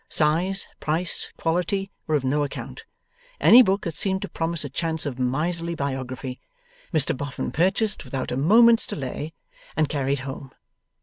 Size, price, quality, were of no account. Any book that seemed to promise a chance of miserly biography, Mr Boffin purchased without a moment's delay and carried home.